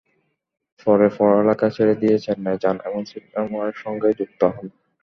পরে পড়ালেখা ছেড়ে দিয়ে চেন্নাই যান এবং সিনেমার সঙ্গে যুক্ত হন।